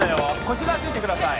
腰側ついてください